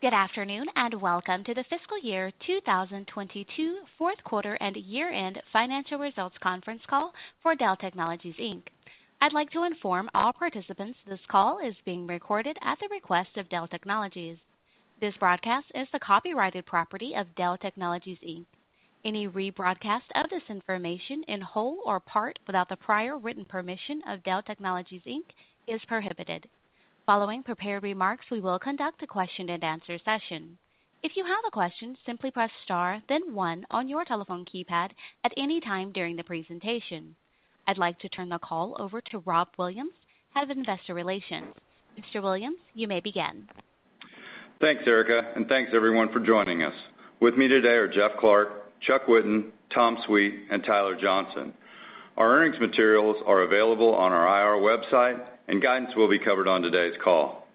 Good afternoon, and welcome to the Fiscal Year 2022 Fourth Quarter and Year-End Financial Results Conference Call for Dell Technologies Inc. I'd like to inform all participants this call is being recorded at the request of Dell Technologies. This broadcast is the copyrighted property of Dell Technologies Inc. Any rebroadcast of this information in whole or part without the prior written permission of Dell Technologies Inc. is prohibited. Following prepared remarks, we will conduct a question-and-answer session. If you have a question, simply press star then one on your telephone keypad at any time during the presentation. I'd like to turn the call over to Rob Williams, Head of Investor Relations. Mr. Williams, you may begin. Thanks, Erica, and thanks everyone for joining us. With me today are Jeff Clarke, Chuck Whitten, Tom Sweet, and Tyler Johnson. Our earnings materials are available on our IR website, and guidance will be covered on today's call.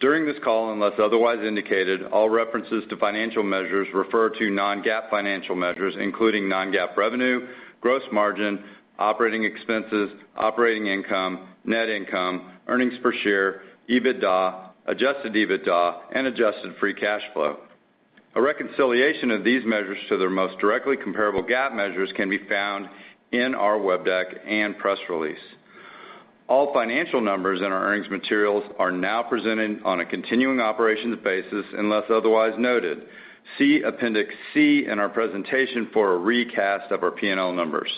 During this call, unless otherwise indicated, all references to financial measures refer to non-GAAP financial measures, including non-GAAP revenue, gross margin, operating expenses, operating income, net income, earnings per share, EBITDA, Adjusted EBITDA, and adjusted free cash flow. A reconciliation of these measures to their most directly comparable GAAP measures can be found in our web deck and press release. All financial numbers in our earnings materials are now presented on a continuing operations basis unless otherwise noted. See Appendix C in our presentation for a recast of our P&L numbers.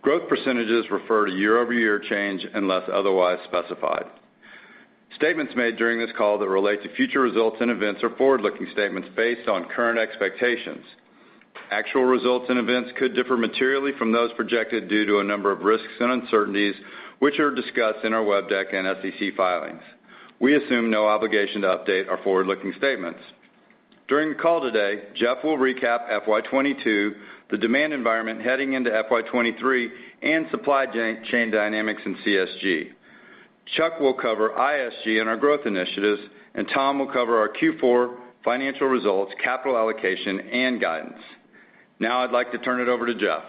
Growth percentages refer to year-over-year change unless otherwise specified. Statements made during this call that relate to future results and events or forward-looking statements based on current expectations. Actual results and events could differ materially from those projected due to a number of risks and uncertainties, which are discussed in our web deck and SEC filings. We assume no obligation to update our forward-looking statements. During the call today, Jeff will recap FY 2022, the demand environment heading into FY 2023, and supply chain dynamics in CSG. Chuck will cover ISG and our growth initiatives, and Tom will cover our Q4 financial results, capital allocation, and guidance. Now I'd like to turn it over to Jeff.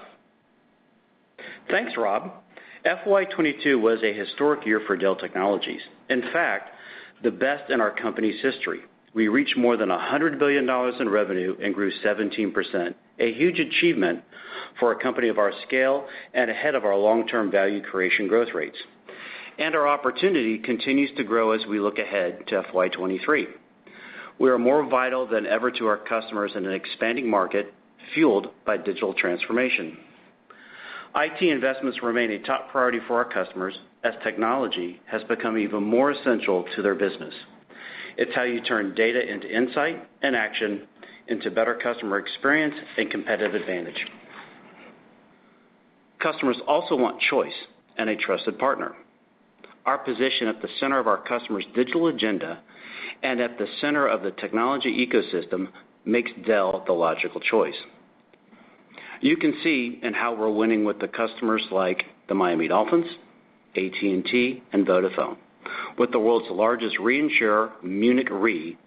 Thanks, Rob. FY 2022 was a historic year for Dell Technologies. In fact, the best in our company's history. We reached more than $100 billion in revenue and grew 17%, a huge achievement for a company of our scale and ahead of our long-term value creation growth rates. Our opportunity continues to grow as we look ahead to FY 2023. We are more vital than ever to our customers in an expanding market fueled by digital transformation. IT investments remain a top priority for our customers as technology has become even more essential to their business. It's how you turn data into insight and action into better customer experience and competitive advantage. Customers also want choice and a trusted partner. Our position at the center of our customers' digital agenda and at the center of the technology ecosystem makes Dell the logical choice. You can see in how we're winning with the customers like the Miami Dolphins, AT&T, and Vodafone, with the world's largest reinsurer, Munich Re,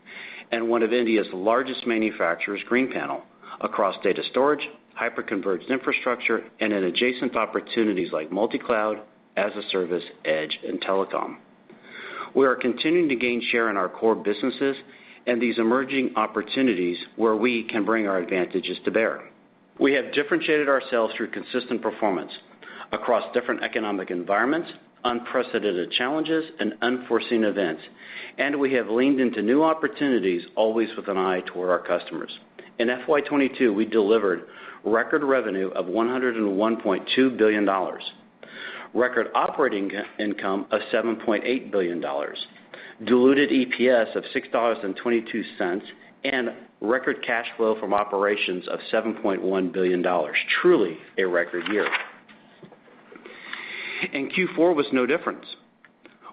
and one of India's largest manufacturers, Greenpanel, across data storage, hyper-converged infrastructure, and in adjacent opportunities like multi-cloud, as-a-service, edge, and telecom. We are continuing to gain share in our core businesses and these emerging opportunities where we can bring our advantages to bear. We have differentiated ourselves through consistent performance across different economic environments, unprecedented challenges, and unforeseen events, and we have leaned into new opportunities, always with an eye toward our customers. In FY 2022, we delivered record revenue of $101.2 billion, record operating income of $7.8 billion, diluted EPS of $6.22, and record cash flow from operations of $7.1 billion. Truly a record year. Q4 was no different.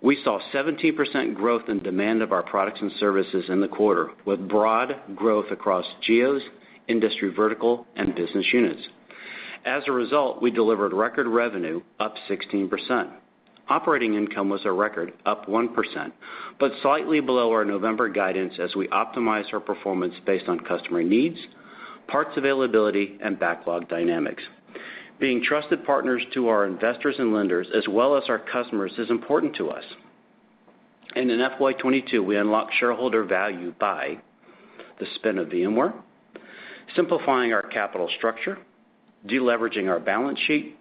We saw 17% growth in demand of our products and services in the quarter, with broad growth across geos, industry vertical, and business units. As a result, we delivered record revenue up 16%. Operating income was a record up 1%, but slightly below our November guidance as we optimize our performance based on customer needs, parts availability, and backlog dynamics. Being trusted partners to our investors and lenders as well as our customers is important to us. In FY 2022, we unlocked shareholder value by the spin of VMware, simplifying our capital structure, deleveraging our balance sheet,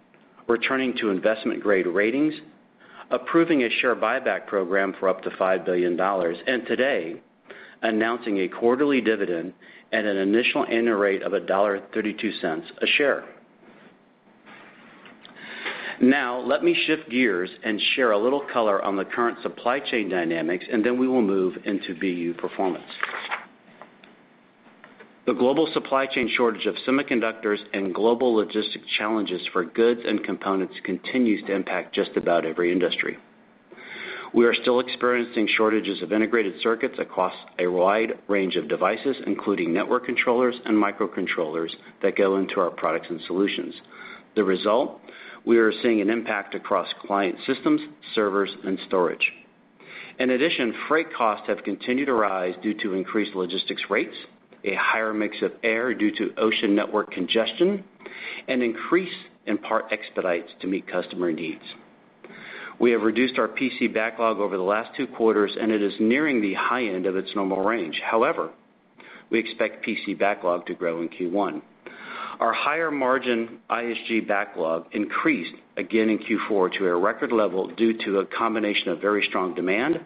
returning to investment-grade ratings, approving a share buyback program for up to $5 billion, and today, announcing a quarterly dividend at an initial annual rate of $1.32 a share. Now let me shift gears and share a little color on the current supply chain dynamics, and then we will move into BU performance. The global supply chain shortage of semiconductors and global logistics challenges for goods and components continues to impact just about every industry. We are still experiencing shortages of integrated circuits across a wide range of devices, including network controllers and microcontrollers that go into our products and solutions. The result, we are seeing an impact across client systems, servers, and storage. In addition, freight costs have continued to rise due to increased logistics rates, a higher mix of air due to ocean network congestion, and increase in part expedites to meet customer needs. We have reduced our PC backlog over the last two quarters, and it is nearing the high end of its normal range. However, we expect PC backlog to grow in Q1. Our higher margin ISG backlog increased again in Q4 to a record level due to a combination of very strong demand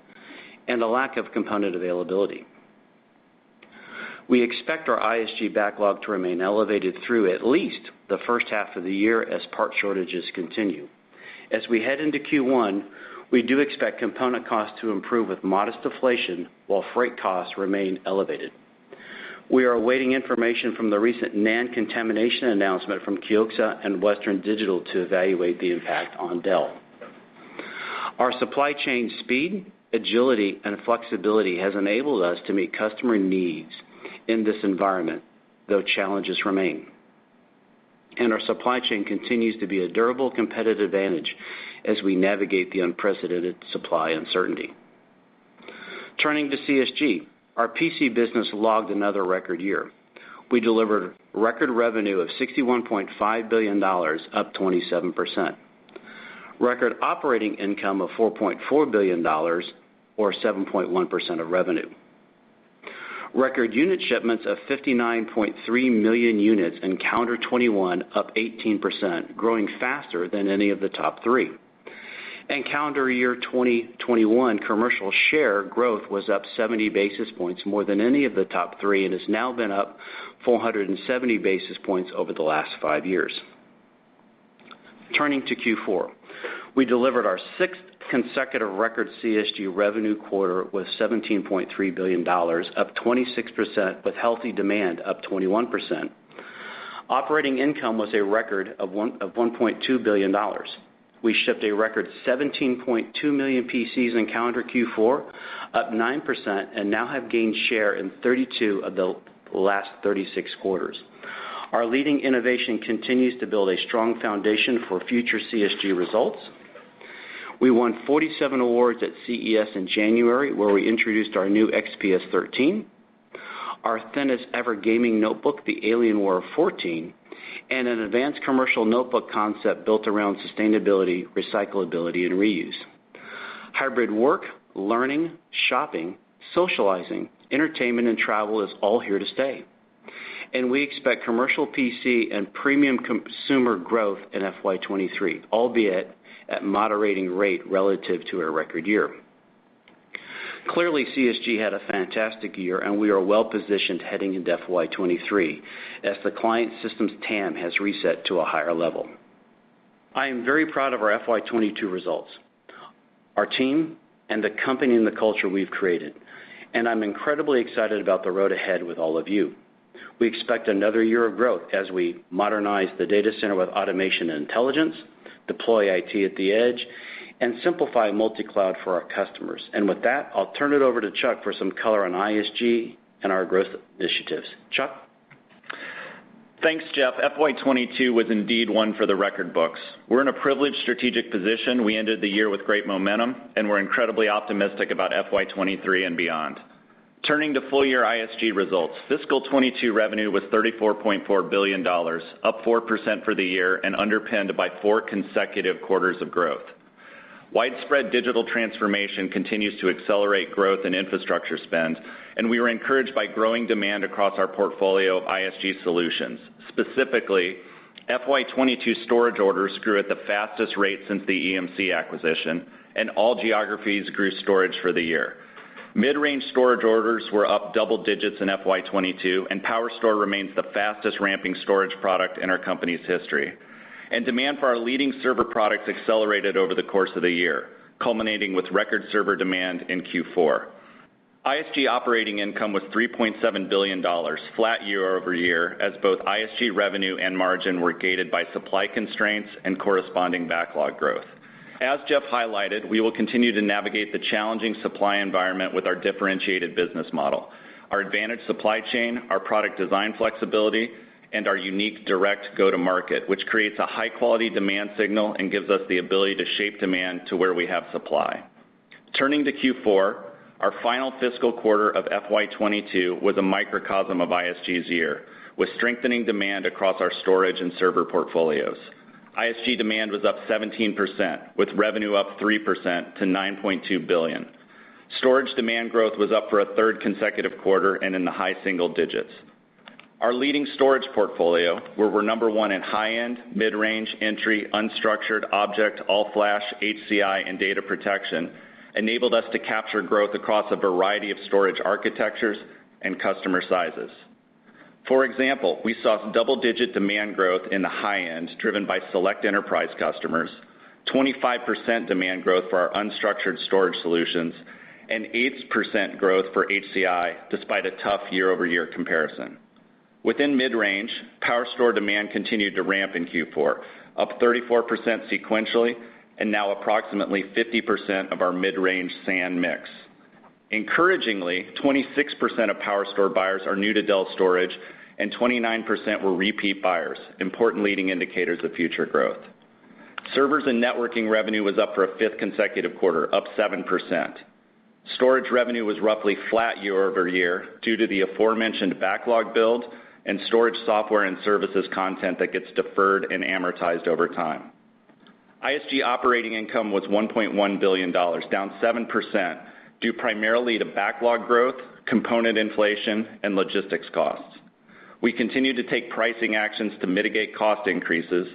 and a lack of component availability. We expect our ISG backlog to remain elevated through at least the first half of the year as part shortages continue. As we head into Q1, we do expect component costs to improve with modest deflation while freight costs remain elevated. We are awaiting information from the recent NAND contamination announcement from Kioxia and Western Digital to evaluate the impact on Dell. Our supply chain speed, agility, and flexibility has enabled us to meet customer needs in this environment, though challenges remain, and our supply chain continues to be a durable competitive advantage as we navigate the unprecedented supply uncertainty. Turning to CSG, our PC business logged another record year. We delivered record revenue of $61.5 billion, up 27%. Record operating income of $4.4 billion or 7.1% of revenue. Record unit shipments of 59.3 million units in calendar 2021 up 18%, growing faster than any of the top three. Calendar year 2021 commercial share growth was up 70 basis points more than any of the top three, and has now been up 470 basis points over the last five years. Turning to Q4, we delivered our sixth consecutive record CSG revenue quarter with $17.3 billion, up 26% with healthy demand up 21%. Operating income was a record of $1.2 billion. We shipped a record 17.2 million PCs in calendar Q4, up 9%, and now have gained share in 32 of the last 36 quarters. Our leading innovation continues to build a strong foundation for future CSG results. We won 47 awards at CES in January, where we introduced our new XPS 13, our thinnest-ever gaming notebook, the Alienware x14, and an advanced commercial notebook concept built around sustainability, recyclability, and reuse. Hybrid work, learning, shopping, socializing, entertainment, and travel is all here to stay, and we expect commercial PC and premium consumer growth in FY 2023, albeit at moderating rate relative to our record year. Clearly, CSG had a fantastic year, and we are well-positioned heading into FY 2023, as the client systems TAM has reset to a higher level. I am very proud of our FY 2022 results, our team and the company and the culture we've created, and I'm incredibly excited about the road ahead with all of you. We expect another year of growth as we modernize the data center with automation and intelligence, deploy IT at the edge, and simplify multi-cloud for our customers. With that, I'll turn it over to Chuck for some color on ISG and our growth initiatives. Chuck? Thanks, Jeff. FY 2022 was indeed one for the record books. We're in a privileged strategic position. We ended the year with great momentum, and we're incredibly optimistic about FY 2023 and beyond. Turning to full year ISG results, fiscal 2022 revenue was $34.4 billion, up 4% for the year and underpinned by four consecutive quarters of growth. Widespread digital transformation continues to accelerate growth in infrastructure spend, and we are encouraged by growing demand across our portfolio of ISG solutions. Specifically, FY 2022 storage orders grew at the fastest rate since the EMC acquisition, and all geographies grew storage for the year. Mid-range storage orders were up double digits in FY 2022, and PowerStore remains the fastest-ramping storage product in our company's history. Demand for our leading server products accelerated over the course of the year, culminating with record server demand in Q4. ISG operating income was $3.7 billion, flat year-over-year, as both ISG revenue and margin were gated by supply constraints and corresponding backlog growth. As Jeff highlighted, we will continue to navigate the challenging supply environment with our differentiated business model, our advantage supply chain, our product design flexibility, and our unique direct go-to-market, which creates a high-quality demand signal and gives us the ability to shape demand to where we have supply. Turning to Q4, our final fiscal quarter of FY 2022 was a microcosm of ISG's year, with strengthening demand across our storage and server portfolios. ISG demand was up 17%, with revenue up 3% to $9.2 billion. Storage demand growth was up for a third consecutive quarter and in the high single digits. Our leading storage portfolio, where we're number one in high-end, mid-range, entry, unstructured, object, all-flash, HCI, and data protection, enabled us to capture growth across a variety of storage architectures and customer sizes. For example, we saw double-digit demand growth in the high end, driven by select enterprise customers, 25% demand growth for our unstructured storage solutions, and 8% growth for HCI, despite a tough year-over-year comparison. Within mid-range, PowerStore demand continued to ramp in Q4, up 34% sequentially and now approximately 50% of our mid-range SAN mix. Encouragingly, 26% of PowerStore buyers are new to Dell storage, and 29% were repeat buyers, important leading indicators of future growth. Servers and networking revenue was up for a fifth consecutive quarter, up 7%. Storage revenue was roughly flat year-over-year due to the aforementioned backlog build and storage software and services content that gets deferred and amortized over time. ISG operating income was $1.1 billion, down 7%, due primarily to backlog growth, component inflation, and logistics costs. We continue to take pricing actions to mitigate cost increases,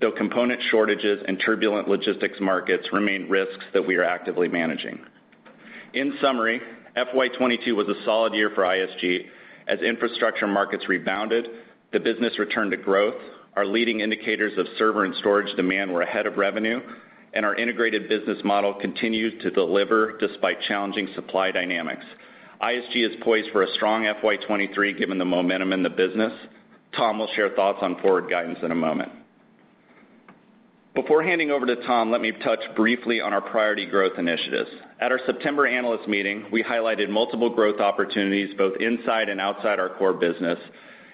though component shortages and turbulent logistics markets remain risks that we are actively managing. In summary, FY 2022 was a solid year for ISG. As infrastructure markets rebounded, the business returned to growth, our leading indicators of server and storage demand were ahead of revenue, and our integrated business model continued to deliver despite challenging supply dynamics. ISG is poised for a strong FY 2023 given the momentum in the business. Tom will share thoughts on forward guidance in a moment. Before handing over to Tom, let me touch briefly on our priority growth initiatives. At our September analyst meeting, we highlighted multiple growth opportunities both inside and outside our core business,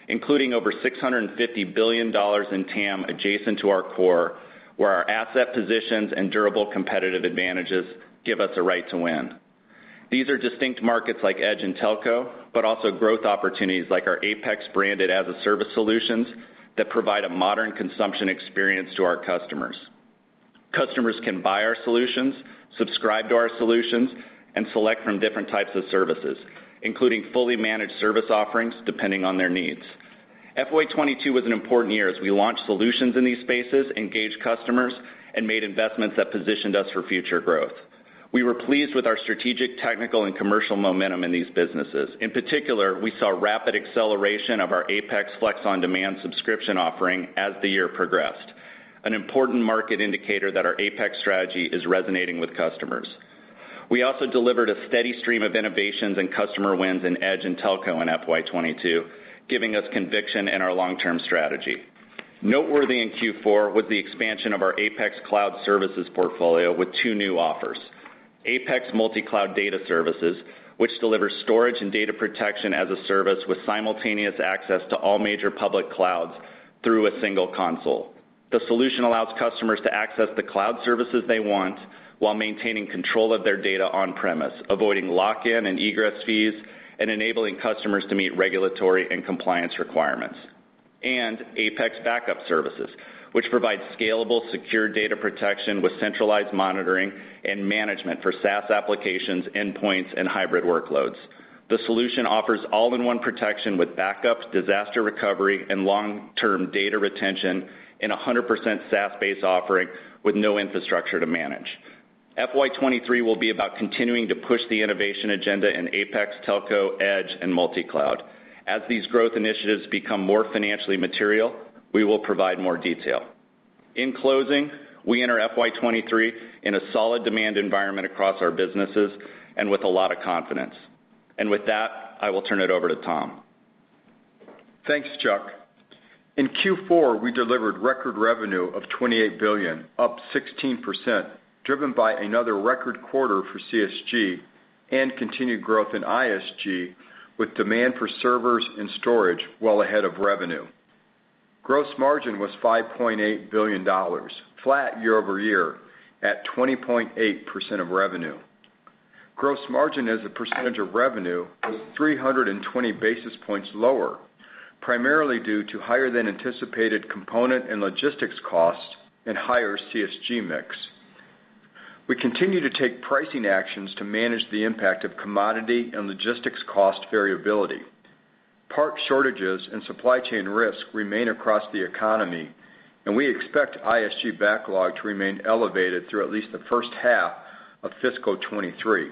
including over $650 billion in TAM adjacent to our core, where our asset positions and durable competitive advantages give us a right to win. These are distinct markets like Edge and Telco, but also growth opportunities like our APEX-branded as-a-service solutions that provide a modern consumption experience to our customers. Customers can buy our solutions, subscribe to our solutions, and select from different types of services, including fully managed service offerings, depending on their needs. FY 2022 was an important year as we launched solutions in these spaces, engaged customers, and made investments that positioned us for future growth. We were pleased with our strategic, technical, and commercial momentum in these businesses. In particular, we saw rapid acceleration of our APEX Flex on Demand subscription offering as the year progressed, an important market indicator that our APEX strategy is resonating with customers. We also delivered a steady stream of innovations and customer wins in Edge and Telco in FY 2022, giving us conviction in our long-term strategy. Noteworthy in Q4 was the expansion of our APEX Cloud Services portfolio with two new offers. APEX Multi-Cloud Data Services, which delivers storage and data protection as a service with simultaneous access to all major public clouds through a single console. The solution allows customers to access the cloud services they want while maintaining control of their data on-premise, avoiding lock-in and egress fees, and enabling customers to meet regulatory and compliance requirements. APEX Backup Services, which provides scalable, secure data protection with centralized monitoring and management for SaaS applications, endpoints, and hybrid workloads. The solution offers all-in-one protection with backups, disaster recovery, and long-term data retention in a 100% SaaS-based offering with no infrastructure to manage. FY 2023 will be about continuing to push the innovation agenda in APEX, Telco, Edge, and multi-cloud. As these growth initiatives become more financially material, we will provide more detail. In closing, we enter FY 2023 in a solid demand environment across our businesses and with a lot of confidence. With that, I will turn it over to Tom. Thanks, Chuck. In Q4, we delivered record revenue of $28 billion, up 16%, driven by another record quarter for CSG and continued growth in ISG, with demand for servers and storage well ahead of revenue. Gross margin was $5.8 billion, flat year-over-year, at 20.8% of revenue. Gross margin as a percentage of revenue was 320 basis points lower, primarily due to higher-than-anticipated component and logistics costs and higher CSG mix. We continue to take pricing actions to manage the impact of commodity and logistics cost variability. Part shortages and supply chain risk remain across the economy, and we expect ISG backlog to remain elevated through at least the first half of fiscal 2023.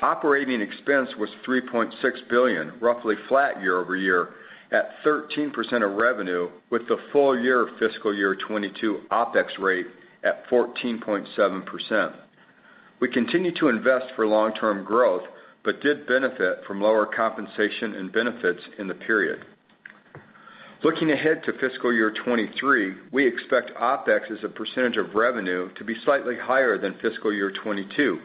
Operating expense was $3.6 billion, roughly flat year-over-year at 13% of revenue, with the full year of fiscal year 2022 OpEx rate at 14.7%. We continue to invest for long-term growth, but did benefit from lower compensation and benefits in the period. Looking ahead to fiscal year 2023, we expect OpEx as a percentage of revenue to be slightly higher than fiscal year 2022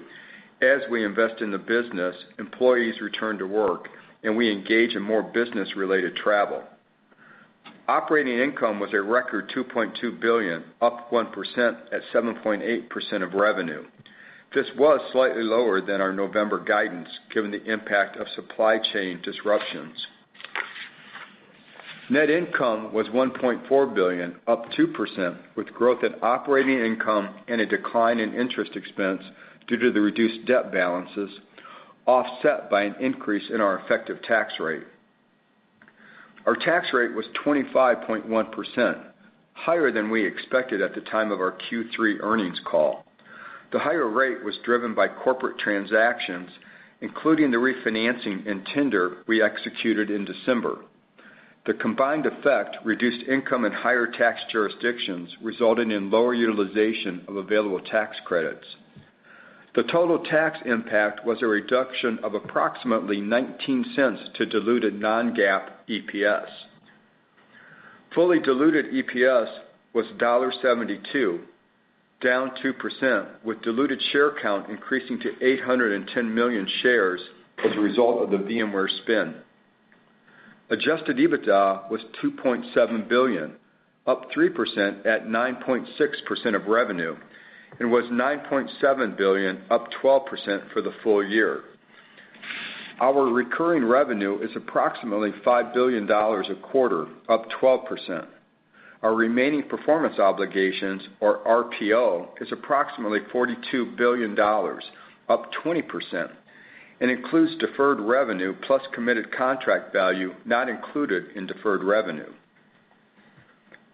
as we invest in the business, employees return to work, and we engage in more business-related travel. Operating income was a record $2.2 billion, up 1% at 7.8% of revenue. This was slightly lower than our November guidance, given the impact of supply chain disruptions. Net income was $1.4 billion, up 2%, with growth in operating income and a decline in interest expense due to the reduced debt balances, offset by an increase in our effective tax rate. Our tax rate was 25.1%, higher than we expected at the time of our Q3 earnings call. The higher rate was driven by corporate transactions, including the refinancing and tender we executed in December. The combined effect reduced income in higher tax jurisdictions, resulting in lower utilization of available tax credits. The total tax impact was a reduction of approximately $0.19 to diluted non-GAAP EPS. Fully diluted EPS was $0.72, down 2%, with diluted share count increasing to 810 million shares as a result of the VMware spin. Adjusted EBITDA was $2.7 billion, up 3% at 9.6% of revenue and was $9.7 billion, up 12% for the full year. Our recurring revenue is approximately $5 billion a quarter, up 12%. Our Remaining Performance Obligations, or RPO, is approximately $42 billion, up 20%, and includes deferred revenue plus committed contract value not included in deferred revenue.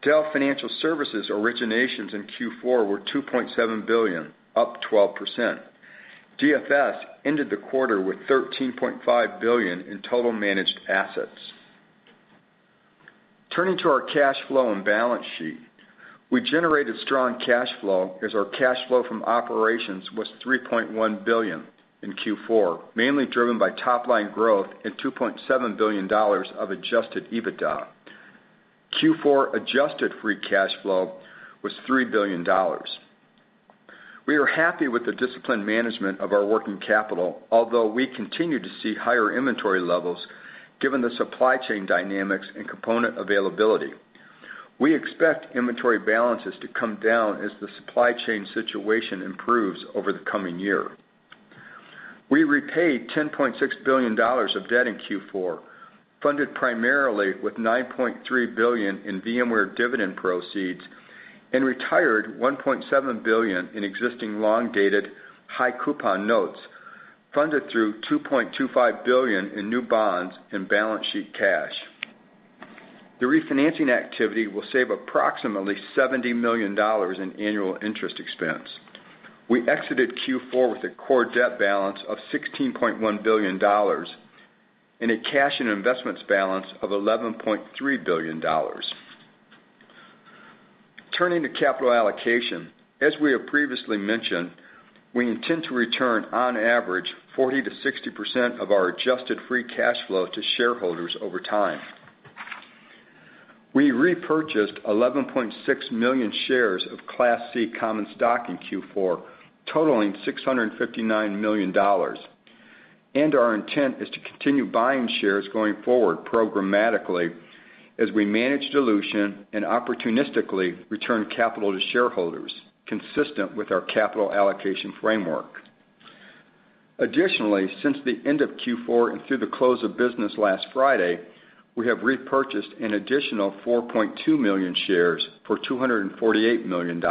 Dell Financial Services originations in Q4 were $2.7 billion, up 12%. DFS ended the quarter with $13.5 billion in total managed assets. Turning to our cash flow and balance sheet, we generated strong cash flow as our cash flow from operations was $3.1 billion in Q4, mainly driven by top-line growth and $2.7 billion of Adjusted EBITDA. Q4 adjusted free cash flow was $3 billion. We are happy with the disciplined management of our working capital, although we continue to see higher inventory levels given the supply chain dynamics and component availability. We expect inventory balances to come down as the supply chain situation improves over the coming year. We repaid $10.6 billion of debt in Q4, funded primarily with $9.3 billion in VMware dividend proceeds and retired $1.7 billion in existing long-dated high coupon notes, funded through $2.25 billion in new bonds and balance sheet cash. The refinancing activity will save approximately $70 million in annual interest expense. We exited Q4 with a core debt balance of $16.1 billion and a cash and investments balance of $11.3 billion. Turning to capital allocation, as we have previously mentioned, we intend to return, on average, 40%-60% of our adjusted free cash flow to shareholders over time. We repurchased 11.6 million shares of Class C common stock in Q4, totaling $659 million. Our intent is to continue buying shares going forward programmatically as we manage dilution and opportunistically return capital to shareholders, consistent with our capital allocation framework. Additionally, since the end of Q4 and through the close of business last Friday, we have repurchased an additional 4.2 million shares for $248 million.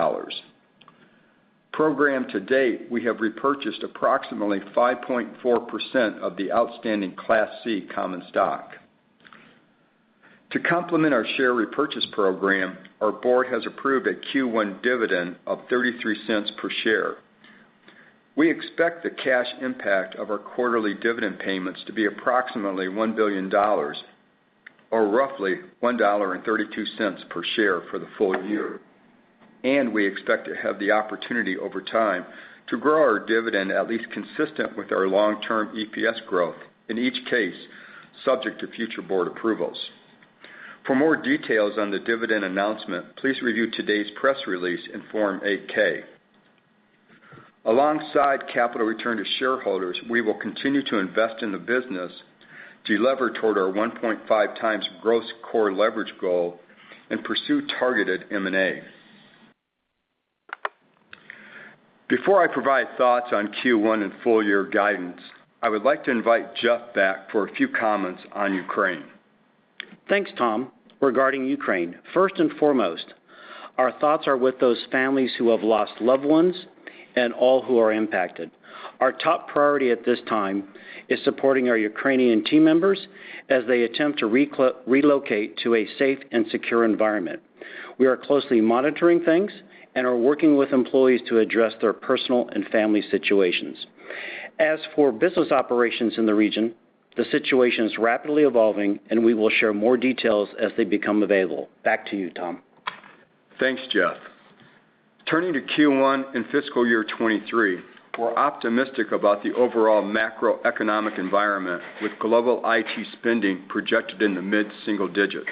Program to date, we have repurchased approximately 5.4% of the outstanding Class C common stock. To complement our share repurchase program, our board has approved a Q1 dividend of $0.33 per share. We expect the cash impact of our quarterly dividend payments to be approximately $1 billion or roughly $1.32 per share for the full year. We expect to have the opportunity over time to grow our dividend at least consistent with our long-term EPS growth, in each case, subject to future board approvals. For more details on the dividend announcement, please review today's press release in Form 8-K. Alongside capital return to shareholders, we will continue to invest in the business to lever toward our 1.5x gross core leverage goal and pursue targeted M&A. Before I provide thoughts on Q1 and full year guidance, I would like to invite Jeff back for a few comments on Ukraine. Thanks, Tom. Regarding Ukraine, first and foremost, our thoughts are with those families who have lost loved ones and all who are impacted. Our top priority at this time is supporting our Ukrainian team members as they attempt to relocate to a safe and secure environment. We are closely monitoring things and are working with employees to address their personal and family situations. As for business operations in the region, the situation is rapidly evolving, and we will share more details as they become available. Back to you, Tom. Thanks, Jeff. Turning to Q1 and fiscal year 2023, we're optimistic about the overall macroeconomic environment with global IT spending projected in the mid-single digit.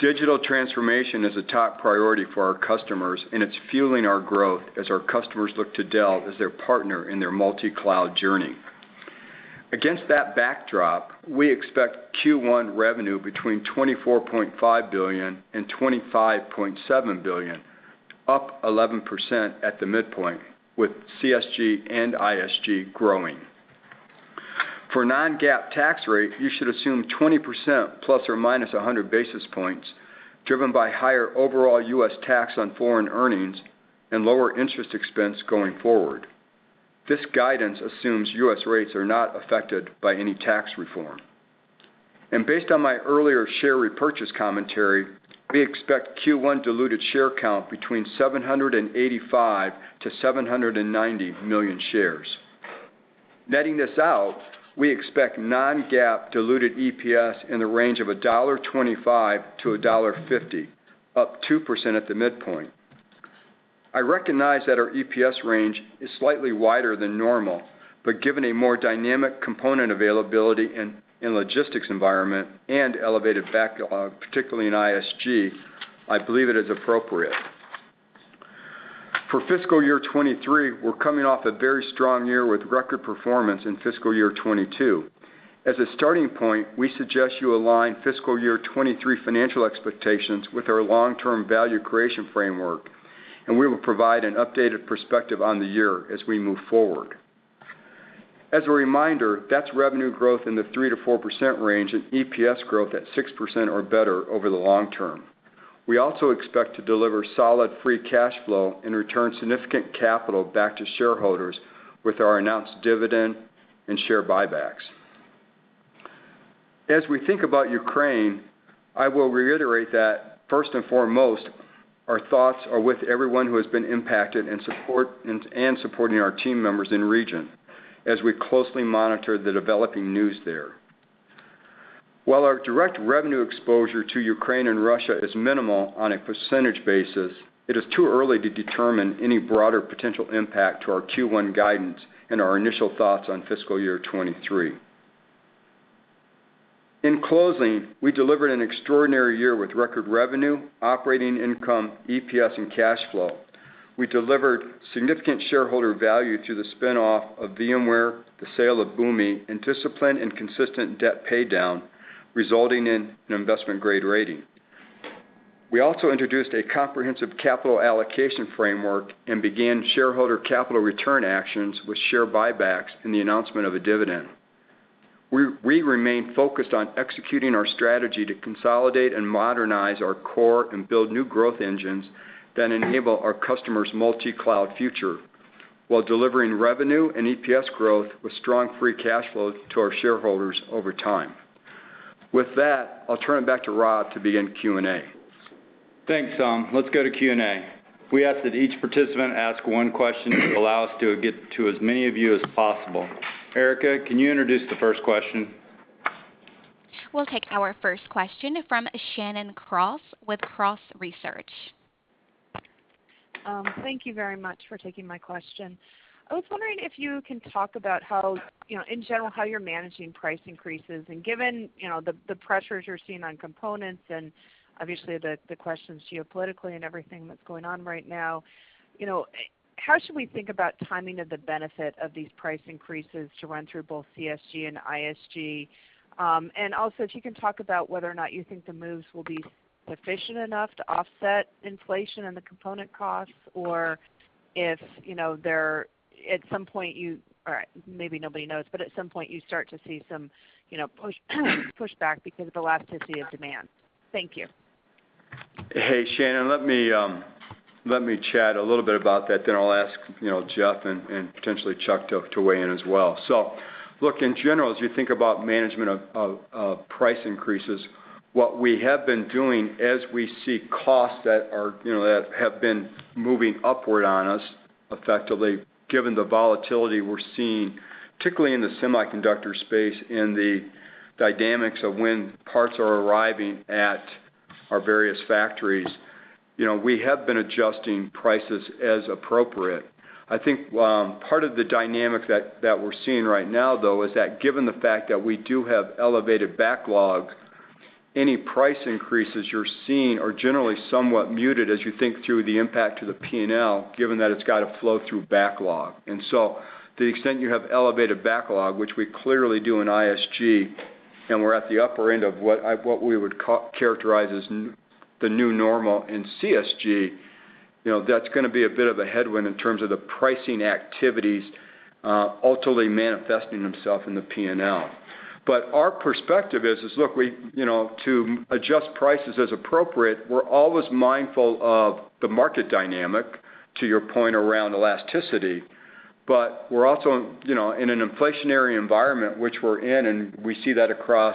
Digital transformation is a top priority for our customers, and it's fueling our growth as our customers look to Dell as their partner in their multi-cloud journey. Against that backdrop, we expect Q1 revenue between $24.5 billion and $25.7 billion, up 11% at the midpoint, with CSG and ISG growing. For non-GAAP tax rate, you should assume 20% ±100 basis points, driven by higher overall U.S. tax on foreign earnings and lower interest expense going forward. This guidance assumes U.S. rates are not affected by any tax reform. Based on my earlier share repurchase commentary, we expect Q1 diluted share count between 785 million-790 million shares. Netting this out, we expect non-GAAP diluted EPS in the range of $1.25-$1.50, up 2% at the midpoint. I recognize that our EPS range is slightly wider than normal, but given a more dynamic component availability and logistics environment and elevated backlog, particularly in ISG, I believe it is appropriate. For fiscal year 2023, we're coming off a very strong year with record performance in fiscal year 2022. As a starting point, we suggest you align fiscal year 2023 financial expectations with our long-term value creation framework, and we will provide an updated perspective on the year as we move forward. As a reminder, that's revenue growth in the 3%-4% range and EPS growth at 6% or better over the long term. We also expect to deliver solid free cash flow and return significant capital back to shareholders with our announced dividend and share buybacks. As we think about Ukraine, I will reiterate that first and foremost, our thoughts are with everyone who has been impacted and supporting our team members in the region as we closely monitor the developing news there. While our direct revenue exposure to Ukraine and Russia is minimal on a percentage basis, it is too early to determine any broader potential impact to our Q1 guidance and our initial thoughts on fiscal year 2023. In closing, we delivered an extraordinary year with record revenue, operating income, EPS, and cash flow. We delivered significant shareholder value through the spin-off of VMware, the sale of Boomi, and disciplined and consistent debt paydown, resulting in an investment-grade rating. We also introduced a comprehensive capital allocation framework and began shareholder capital return actions with share buybacks in the announcement of a dividend. We remain focused on executing our strategy to consolidate and modernize our core and build new growth engines that enable our customers' multi-cloud future while delivering revenue and EPS growth with strong free cash flow to our shareholders over time. With that, I'll turn it back to Rob to begin Q&A. Thanks, Tom. Let's go to Q&A. We ask that each participant ask one question to allow us to get to as many of you as possible. Erica, can you introduce the first question? We'll take our first question from Shannon Cross with Cross Research. Thank you very much for taking my question. I was wondering if you can talk about how, you know, in general, how you're managing price increases. Given, you know, the pressures you're seeing on components and obviously the questions geopolitically and everything that's going on right now, you know, how should we think about timing of the benefit of these price increases to run through both CSG and ISG? And also if you can talk about whether or not you think the moves will be sufficient enough to offset inflation and the component costs or if, you know, at some point you start to see some, you know, pushback because of elasticity of demand. Thank you. Hey, Shannon, let me chat a little bit about that, then I'll ask, you know, Jeff and potentially Chuck to weigh in as well. Look, in general, as you think about management of price increases, what we have been doing as we see costs that are, you know, that have been moving upward on us effectively given the volatility we're seeing, particularly in the semiconductor space and the dynamics of when parts are arriving at our various factories. You know, we have been adjusting prices as appropriate. I think, part of the dynamic that we're seeing right now though is that given the fact that we do have elevated backlog, any price increases you're seeing are generally somewhat muted as you think through the impact to the P&L given that it's got to flow through backlog. To the extent you have elevated backlog, which we clearly do in ISG, and we're at the upper end of what we would characterize as the new normal in CSG, you know, that's gonna be a bit of a headwind in terms of the pricing activities ultimately manifesting themselves in the P&L. But our perspective is look, we, you know, to adjust prices as appropriate, we're always mindful of the market dynamic to your point around elasticity. But we're also, you know, in an inflationary environment which we're in, and we see that across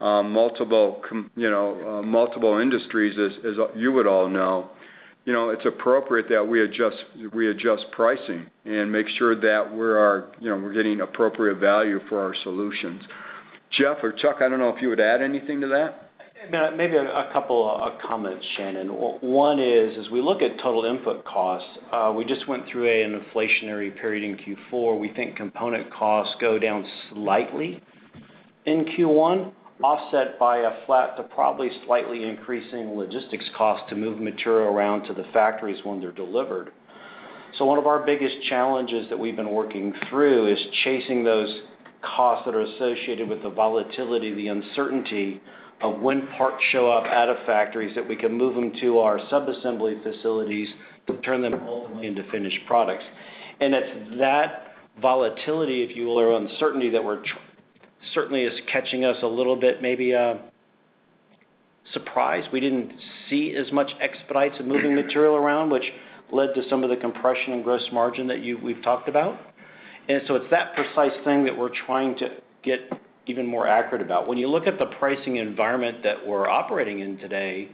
multiple industries as you would all know. You know, it's appropriate that we adjust pricing and make sure that we are, you know, we're getting appropriate value for our solutions. Jeff or Chuck, I don't know if you would add anything to that? Maybe a couple of comments, Shannon. One is, as we look at total input costs, we just went through an inflationary period in Q4. We think component costs go down slightly in Q1, offset by a flat to probably slightly increasing logistics cost to move material around to the factories when they're delivered. One of our biggest challenges that we've been working through is chasing those costs that are associated with the volatility, the uncertainty of when parts show up out of factories that we can move them to our sub-assembly facilities to turn them ultimately into finished products. It's that volatility, if you will, or uncertainty that certainly is catching us a little bit maybe surprised. We didn't see as much expedites in moving material around, which led to some of the compression in gross margin that we've talked about. It's that precise thing that we're trying to get even more accurate about. When you look at the pricing environment that we're operating in today,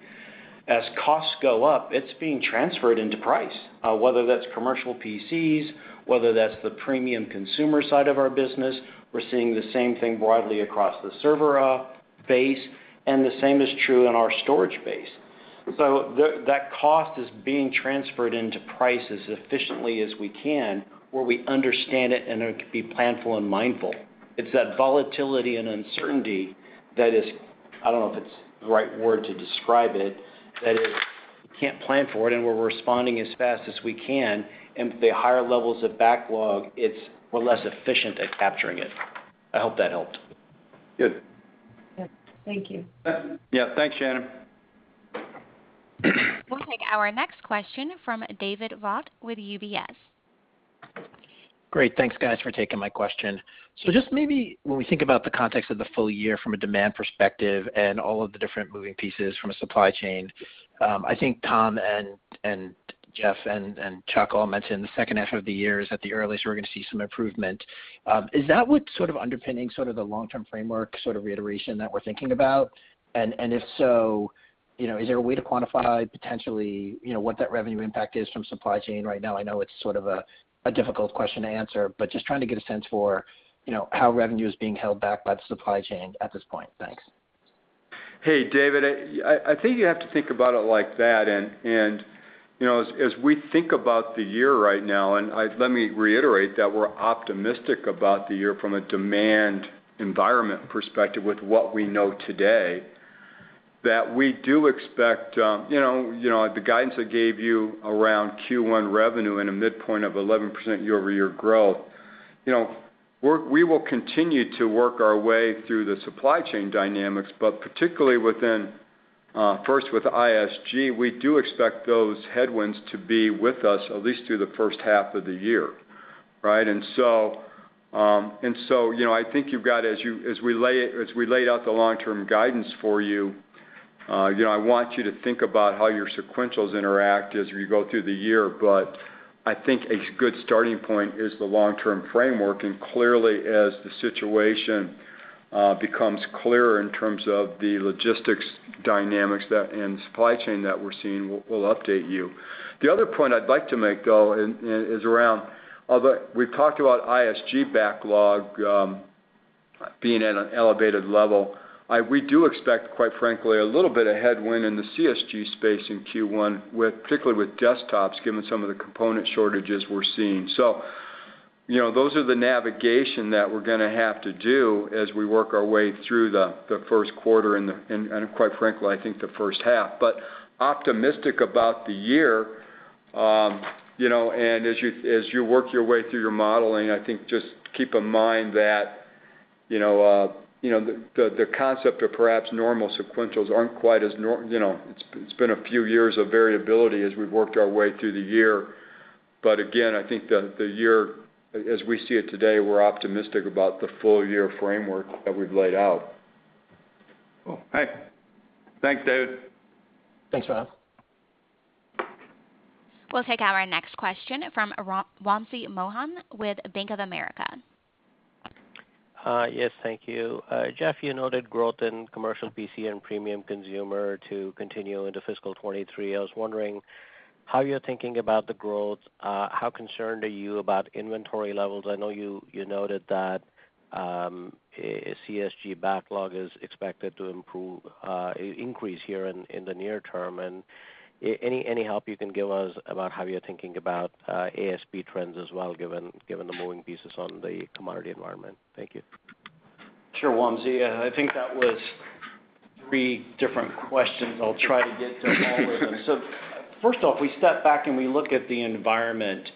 as costs go up, it's being transferred into price. Whether that's commercial PCs, whether that's the premium consumer side of our business, we're seeing the same thing broadly across the server base, and the same is true in our storage base. That cost is being transferred into price as efficiently as we can where we understand it and it can be planful and mindful. It's that volatility and uncertainty that is. I don't know if it's the right word to describe it, that it can't plan for it, and we're responding as fast as we can. With the higher levels of backlog, it's we're less efficient at capturing it. I hope that helped. Good. Yeah. Thank you. Yeah, thanks, Shannon. We'll take our next question from David Vogt with UBS. Great. Thanks, guys, for taking my question. So just maybe when we think about the context of the full year from a demand perspective and all of the different moving pieces from a supply chain, I think Tom and Jeff and Chuck all mentioned the second half of the year is at the earliest we're gonna see some improvement. Is that what's sort of underpinning sort of the long-term framework sort of reiteration that we're thinking about? If so, you know, is there a way to quantify potentially, you know, what that revenue impact is from supply chain right now? I know it's sort of a difficult question to answer, but just trying to get a sense for, you know, how revenue is being held back by the supply chain at this point. Thanks. Hey, David. I think you have to think about it like that, you know, as we think about the year right now, let me reiterate that we're optimistic about the year from a demand environment perspective with what we know today, that we do expect the guidance I gave you around Q1 revenue in a midpoint of 11% year-over-year growth. We will continue to work our way through the supply chain dynamics, but particularly with ISG first, we do expect those headwinds to be with us at least through the first half of the year, right? You know, I think you've got, as we laid out the long-term guidance for you know, I want you to think about how your sequentials interact as you go through the year. I think a good starting point is the long-term framework, and clearly, as the situation becomes clearer in terms of the logistics dynamics and supply chain that we're seeing, we'll update you. The other point I'd like to make, though, is around although we've talked about ISG backlog being at an elevated level, we do expect, quite frankly, a little bit of headwind in the CSG space in Q1 with, particularly with desktops, given some of the component shortages we're seeing. You know, those are the navigation that we're gonna have to do as we work our way through the first quarter and quite frankly, I think the first half. Optimistic about the year, you know, and as you work your way through your modeling, I think just keep in mind that, you know, the concept of perhaps normal sequentials aren't quite as normal. You know, it's been a few years of variability as we've worked our way through the year. Again, I think the year, as we see it today, we're optimistic about the full year framework that we've laid out. Cool. All right. Thanks, David. Thanks, Tom. We'll take our next question from Wamsi Mohan with Bank of America. Hi. Yes, thank you. Jeff, you noted growth in commercial PC and premium consumer to continue into fiscal 2023. I was wondering how you're thinking about the growth, how concerned are you about inventory levels? I know you noted that a CSG backlog is expected to improve, increase here in the near term. Any help you can give us about how you're thinking about ASP trends as well, given the moving pieces on the commodity environment. Thank you. Sure, Wamsi. I think that was three different questions. I'll try to get to all of them. First off, we step back, and we look at the environment.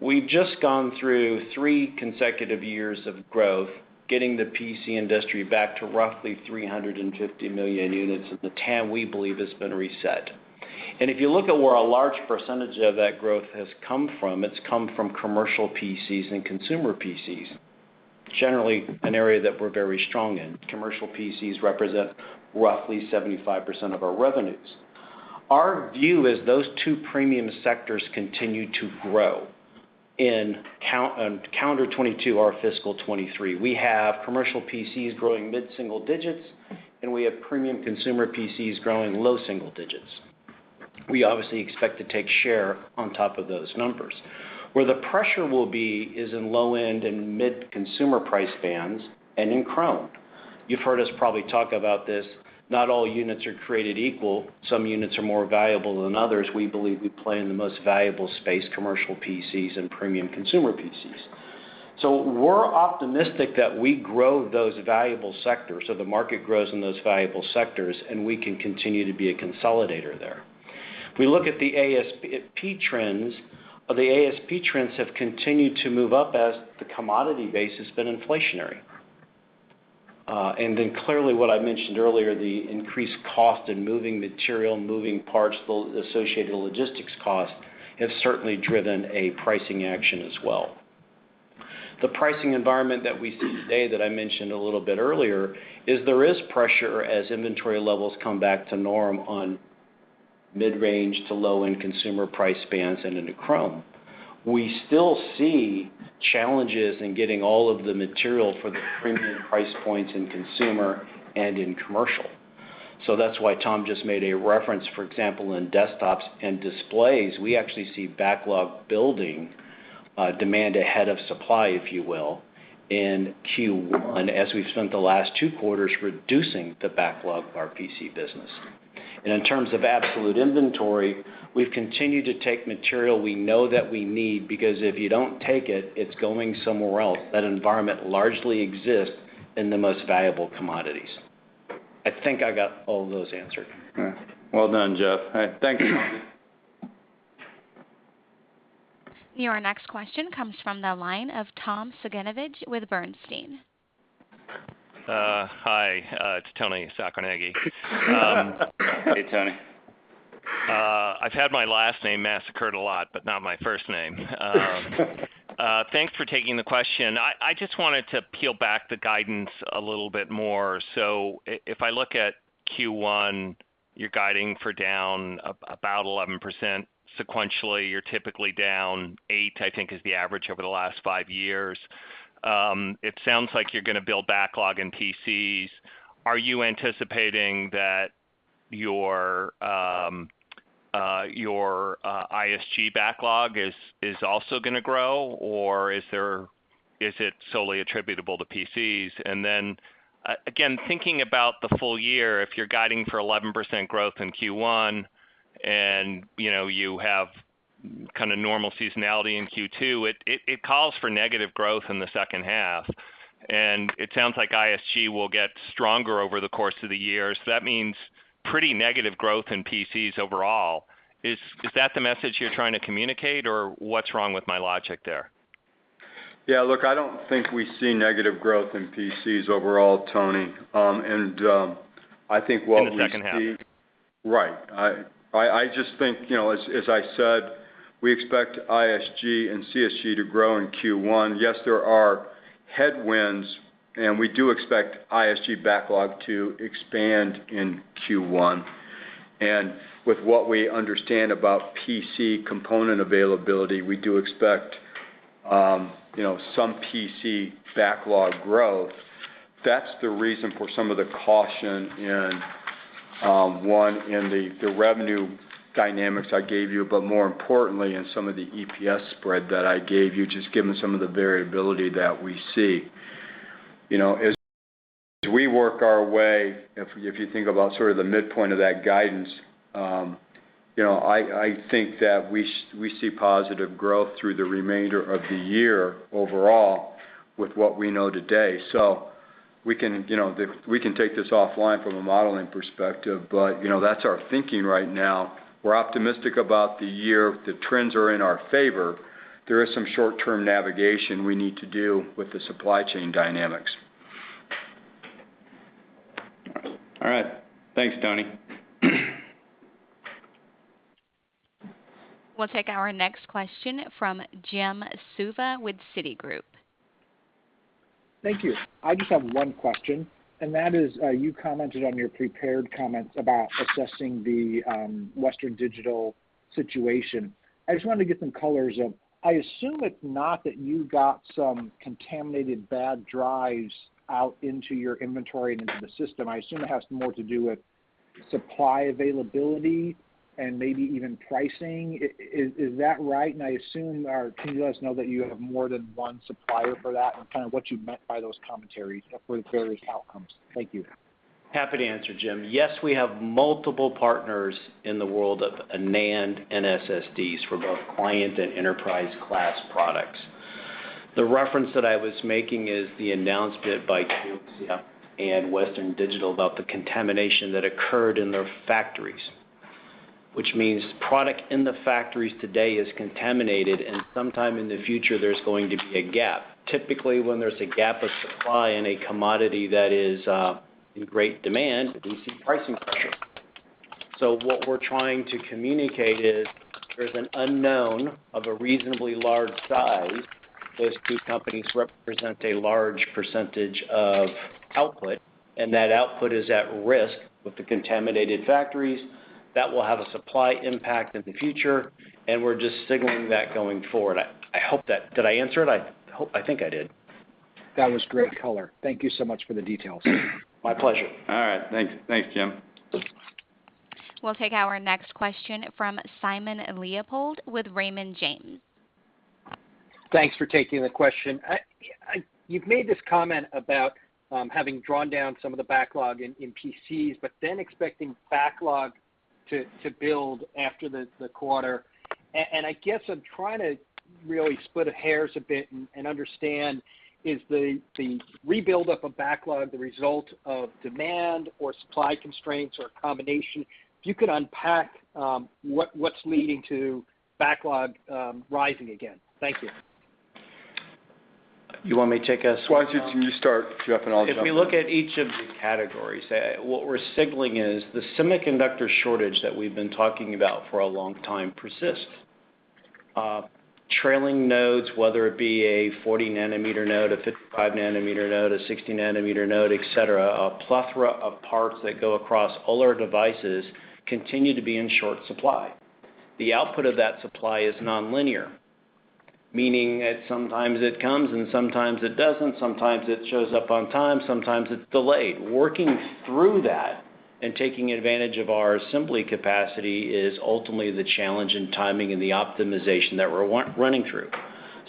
We've just gone through three consecutive years of growth, getting the PC industry back to roughly 350 million units, and the TAM, we believe, has been reset. If you look at where a large percentage of that growth has come from, it's come from commercial PCs and consumer PCs. Generally, an area that we're very strong in. Commercial PCs represent roughly 75% of our revenues. Our view is those two premium sectors continue to grow. In calendar 2022 or fiscal 2023, we have commercial PCs growing mid-single digits, and we have premium consumer PCs growing low single digits. We obviously expect to take share on top of those numbers. Where the pressure will be is in low-end and mid-consumer price bands and in Chrome. You've heard us probably talk about this. Not all units are created equal. Some units are more valuable than others. We believe we play in the most valuable space, commercial PCs and premium consumer PCs. We're optimistic that we grow those valuable sectors, so the market grows in those valuable sectors, and we can continue to be a consolidator there. If we look at the ASP trends, the ASP trends have continued to move up as the commodity base has been inflationary. Clearly, what I mentioned earlier, the increased cost in moving material, moving parts, the associated logistics costs, have certainly driven a pricing action as well. The pricing environment that we see today that I mentioned a little bit earlier is there is pressure as inventory levels come back to norm on mid-range to low-end consumer price bands and into Chrome. We still see challenges in getting all of the material for the premium price points in consumer and in commercial. That's why Tom just made a reference, for example, in desktops and displays. We actually see backlog building, demand ahead of supply, if you will, in Q1 as we've spent the last two quarters reducing the backlog of our PC business. In terms of absolute inventory, we've continued to take material we know that we need because if you don't take it's going somewhere else. That environment largely exists in the most valuable commodities. I think I got all those answered. All right. Well done, Jeff. All right. Thank you. Your next question comes from the line of Toni Sacconaghi with Bernstein. Hi, it's Toni Sacconaghi. Hey, Toni. I've had my last name massacred a lot, but not my first name. Thanks for taking the question. I just wanted to peel back the guidance a little bit more. If I look at Q1, you're guiding for down about 11% sequentially. You're typically down 8%, I think is the average over the last five years. It sounds like you're gonna build backlog in PCs. Are you anticipating that your ISG backlog is also gonna grow, or is it solely attributable to PCs? Then, again, thinking about the full year, if you're guiding for 11% growth in Q1 and, you know, you have kind of normal seasonality in Q2, it calls for negative growth in the second half. It sounds like ISG will get stronger over the course of the year. That means pretty negative growth in PCs overall. Is that the message you're trying to communicate, or what's wrong with my logic there? Yeah, look, I don't think we see negative growth in PCs overall, Tony. I think what we see- In the second half. Right. I just think, you know, as I said, we expect ISG and CSG to grow in Q1. Yes, there are headwinds, and we do expect ISG backlog to expand in Q1. With what we understand about PC component availability, we do expect, you know, some PC backlog growth. That's the reason for some of the caution in the revenue dynamics I gave you, but more importantly, in some of the EPS spread that I gave you, just given some of the variability that we see. You know, as we work our way, if you think about sort of the midpoint of that guidance, you know, I think that we see positive growth through the remainder of the year overall with what we know today. We can, you know, the... We can take this offline from a modeling perspective, but, you know, that's our thinking right now. We're optimistic about the year. The trends are in our favor. There is some short-term navigation we need to do with the supply chain dynamics. All right. Thanks, Toni. We'll take our next question from Jim Suva with Citigroup. Thank you. I just have one question, and that is, you commented on your prepared comments about assessing the Western Digital situation. I just wanted to get some color on. I assume it's not that you got some contaminated bad drives out into your inventory and into the system. I assume it has more to do with supply availability and maybe even pricing. Is that right? I assume, or can you let us know that you have more than one supplier for that and kind of what you meant by those commentaries for the various outcomes? Thank you. Happy to answer, Jim. Yes, we have multiple partners in the world of NAND and SSDs for both client and enterprise class products. The reference that I was making is the announcement by Toshiba and Western Digital about the contamination that occurred in their factories, which means product in the factories today is contaminated, and sometime in the future, there's going to be a gap. Typically, when there's a gap of supply in a commodity that is in great demand, we see pricing pressure. What we're trying to communicate is there's an unknown of a reasonably large size. Those two companies represent a large percentage of output, and that output is at risk with the contaminated factories. That will have a supply impact in the future, and we're just signaling that going forward. I hope that. Did I answer it? I think I did. That was great color. Thank you so much for the details. My pleasure. All right. Thanks, Jim. We'll take our next question from Simon Leopold with Raymond James. Thanks for taking the question. You've made this comment about having drawn down some of the backlog in PCs, but then expecting backlog to build after the quarter. I guess I'm trying to really split the hairs a bit and understand, is the rebuild up of backlog the result of demand or supply constraints or a combination? If you could unpack what's leading to backlog rising again. Thank you. You want me to take this, Tom? Why don't you start, Jeff, and I'll jump in. If you look at each of the categories, what we're signaling is the semiconductor shortage that we've been talking about for a long time persists. Trailing nodes, whether it be a 40 nanometer node, a 55 nanometer node, a 60 nanometer node, et cetera, a plethora of parts that go across all our devices continue to be in short supply. The output of that supply is non-linear, meaning at sometimes it comes, and sometimes it doesn't. Sometimes it shows up on time, sometimes it's delayed. Working through that and taking advantage of our assembly capacity is ultimately the challenge in timing and the optimization that we're running through.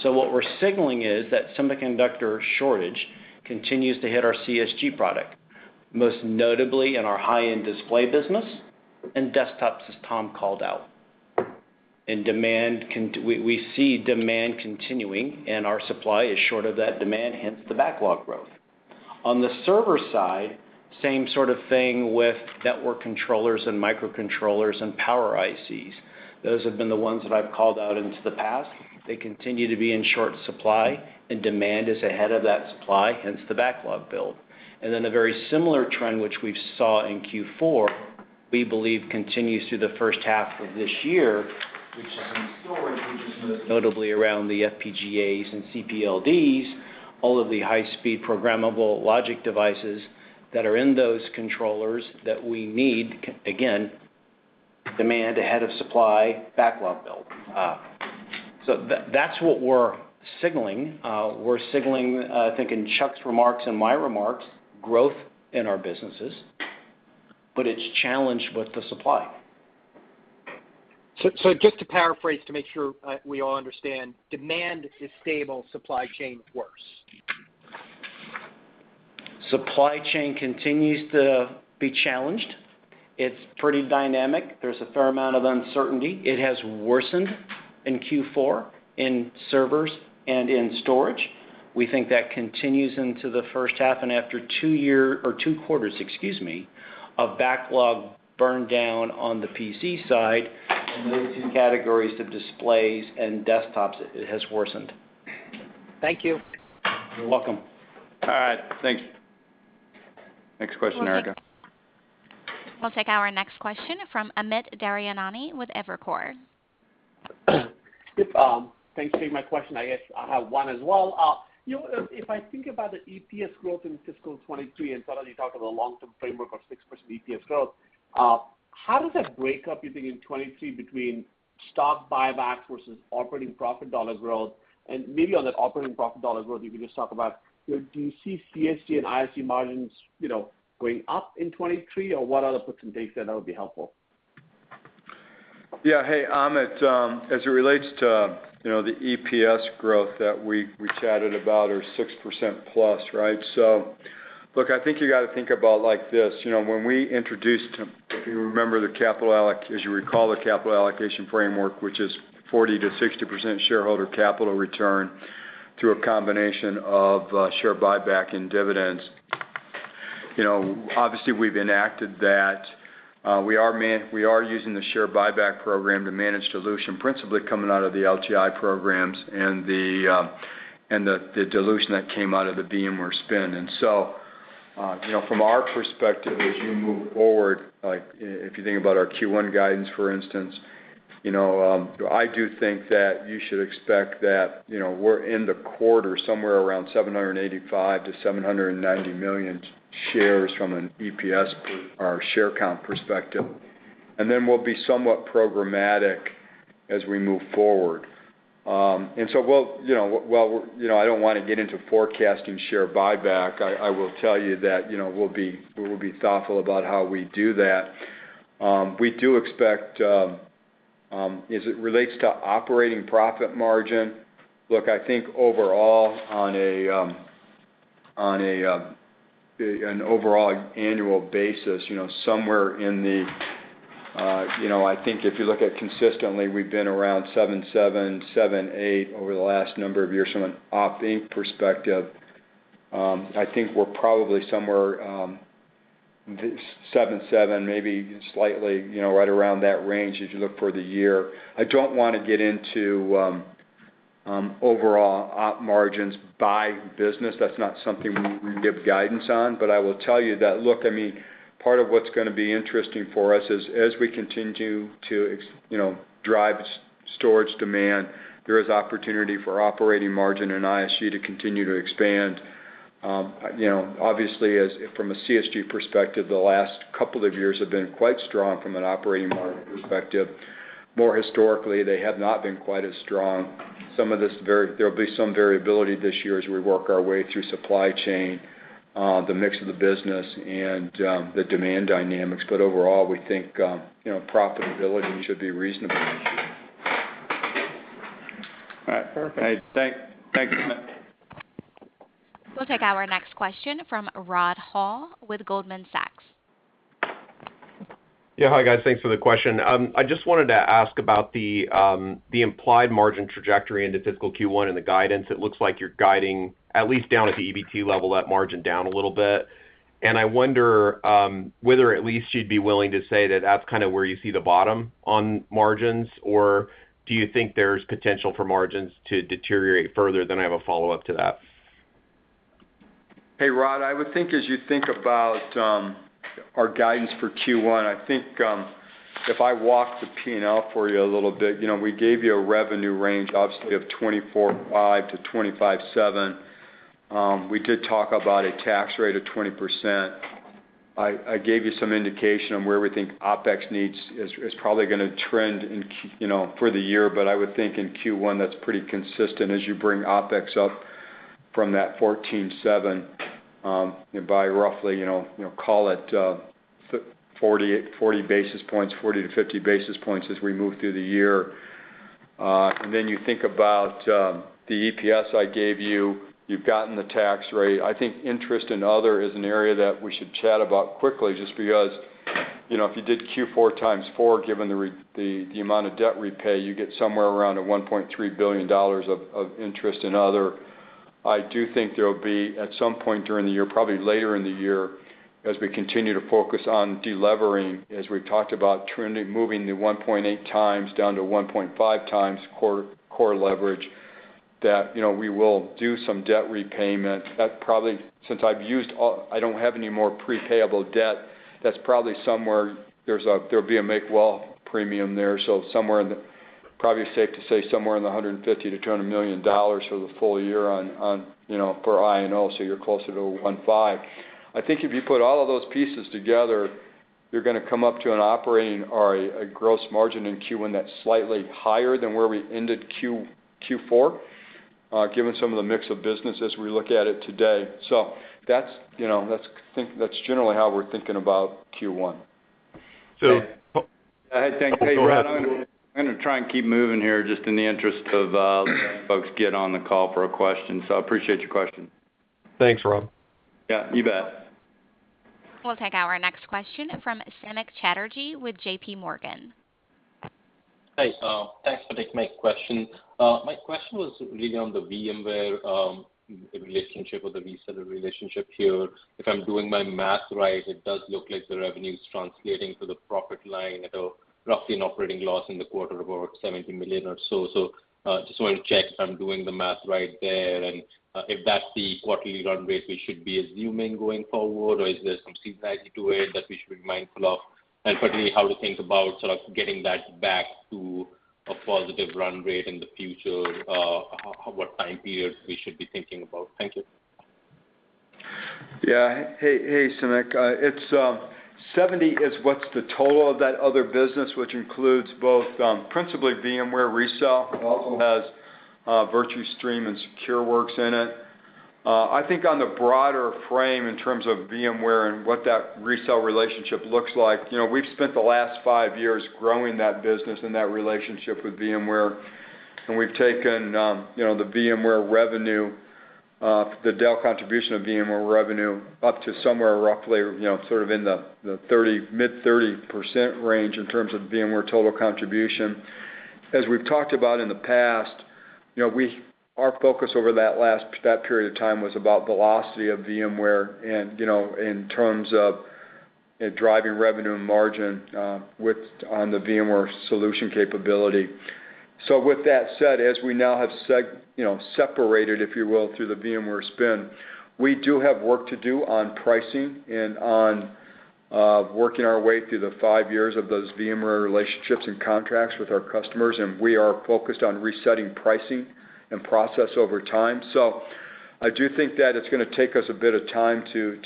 What we're signaling is that semiconductor shortage continues to hit our CSG product, most notably in our high-end display business and desktops, as Tom called out. We see demand continuing, and our supply is short of that demand, hence the backlog growth. On the server side, same sort of thing with network controllers and microcontrollers and power ICs. Those have been the ones that I've called out in the past. They continue to be in short supply, and demand is ahead of that supply, hence the backlog build. A very similar trend which we saw in Q4, we believe continues through the first half of this year, which is in storage, which is most notably around the FPGAs and CPLDs, all of the high-speed programmable logic devices that are in those controllers that we need, again, demand ahead of supply, backlog build up. That's what we're signaling. We're signaling, I think in Chuck's remarks and my remarks, growth in our businesses, but it's challenged with the supply. Just to paraphrase to make sure we all understand, demand is stable, supply chain is worse. Supply chain continues to be challenged. It's pretty dynamic. There's a fair amount of uncertainty. It has worsened in Q4 in servers and in storage. We think that continues into the first half, and after two quarters, excuse me, of backlog burn down on the PC side in those two categories, the displays and desktops, it has worsened. Thank you. You're welcome. All right. Thank you. Next question, Erica. We'll take our next question from Amit Daryanani with Evercore. Yep, thanks for taking my question. I guess I have one as well. You know, if I think about the EPS growth in fiscal 2023, and suddenly you talk about a long-term framework of 6% EPS growth, how does that break up, you think, in 2023 between stock buybacks versus operating profit dollar growth? Maybe on that operating profit dollar growth, you can just talk about, you know, do you see CSG and ISG margins, you know, going up in 2023? Or what are the puts and takes there? That would be helpful. Yeah. Hey, Amit, as it relates to, you know, the EPS growth that we chatted about of 6%+, right? Look, I think you gotta think about like this. You know, when we introduced, as you recall, the capital allocation framework, which is 40%-60% shareholder capital return through a combination of share buyback and dividends. You know, obviously, we've enacted that. We are using the share buyback program to manage dilution, principally coming out of the LTI programs and the dilution that came out of the VMware spin. From our perspective, as you move forward, like if you think about our Q1 guidance, for instance, you know, I do think that you should expect that, you know, we're in the quarter somewhere around 785 million-790 million shares from an EPS per our share count perspective. Then we'll be somewhat programmatic as we move forward. You know, I don't wanna get into forecasting share buyback. I will tell you that, you know, we'll be thoughtful about how we do that. We do expect, as it relates to operating profit margin, look, I think overall, on an overall annual basis, you know, somewhere in the, you know, I think if you look consistently, we've been around 7.7%-8% over the last number of years from an operating income perspective. I think we're probably somewhere, 7.7%, maybe slightly, you know, right around that range as you look for the year. I don't wanna get into overall operating margins by business. That's not something we give guidance on. I will tell you that, look, I mean, part of what's gonna be interesting for us is as we continue to, you know, drive storage demand, there is opportunity for operating margin and ISG to continue to expand. You know, obviously as from a CSG perspective, the last couple of years have been quite strong from an operating margin perspective. More historically, they have not been quite as strong. Some of this there'll be some variability this year as we work our way through supply chain, the mix of the business and, the demand dynamics. Overall, we think, you know, profitability should be reasonable next year. All right, perfect. All right. Thank you, Amit. We'll take our next question from Rod Hall with Goldman Sachs. Yeah. Hi, guys. Thanks for the question. I just wanted to ask about the implied margin trajectory into fiscal Q1 and the guidance. It looks like you're guiding at least down at the EBT level, that margin down a little bit. I wonder whether at least you'd be willing to say that that's kind of where you see the bottom on margins, or do you think there's potential for margins to deteriorate further? I have a follow-up to that. Hey, Rod. I would think as you think about our guidance for Q1, I think, if I walk the P&L for you a little bit, you know, we gave you a revenue range, obviously of $24.5 billion-$25.7 billion. We did talk about a tax rate of 20%. I gave you some indication on where we think OpEx is probably gonna trend in Q1, you know, for the year, but I would think in Q1 that's pretty consistent as you bring OpEx up from that 14.7% by roughly, you know, call it 40-50 basis points as we move through the year. Then you think about the EPS I gave you've gotten the tax rate. I think interest and other is an area that we should chat about quickly just because. You know, if you did Q4 times four, given the amount of debt repayment, you get somewhere around $1.3 billion of interest and other. I do think there'll be, at some point during the year, probably later in the year as we continue to focus on delevering, as we've talked about trending, moving the 1.8x down to a 1.5x core leverage, that, you know, we will do some debt repayment. That probably, since I've used all I don't have any more pre-payable debt, that's probably there'll be a make-whole premium there. Probably safe to say somewhere in the $150 million-$200 million for the full year, you know, per I&O, you're closer to $150 million. I think if you put all of those pieces together, you're gonna come up to an operating or a gross margin in Q1 that's slightly higher than where we ended Q4, given some of the mix of businesses we look at today. That's generally how we're thinking about Q1. So- Hey, thank you. Go ahead. I'm gonna try and keep moving here just in the interest of letting folks get on the call for a question. I appreciate your question. Thanks, Tom. Yeah, you bet. We'll take our next question from Samik Chatterjee with JPMorgan. Hey, thanks for taking my question. My question was really on the VMware relationship or the reseller relationship here. If I'm doing my math right, it does look like the revenue's translating to the profit line at a roughly an operating loss in the quarter of about $70 million or so. Just wanted to check if I'm doing the math right there and if that's the quarterly run rate we should be assuming going forward or is there some seasonality to it that we should be mindful of? Secondly, how to think about sort of getting that back to a positive run rate in the future, what time period we should be thinking about? Thank you. Yeah. Hey, Samik. It's $70, the total of that other business, which includes both principally VMware resell. It also has Virtustream and Secureworks in it. I think on the broader frame in terms of VMware and what that resell relationship looks like, you know, we've spent the last five years growing that business and that relationship with VMware, and we've taken the VMware revenue, the Dell contribution of VMware revenue up to somewhere roughly sort of in the mid-30% range in terms of VMware total contribution. As we've talked about in the past, you know, our focus over that period of time was about velocity of VMware and in terms of driving revenue and margin within the VMware solution capability. With that said, as we now have you know, separated, if you will, through the VMware spin, we do have work to do on pricing and on working our way through the five years of those VMware relationships and contracts with our customers, and we are focused on resetting pricing and process over time. I do think that it's gonna take us a bit of time to